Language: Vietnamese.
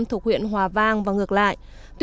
thuộc huyện hòa vang và ngược lại